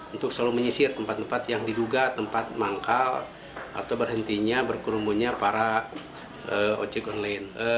untuk selalu menyisir tempat tempat yang diduga tempat manggal atau berhentinya berkerumunnya para ojek online